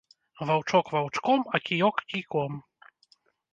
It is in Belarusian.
Ваўчок ваўчком, а кіёк кійком.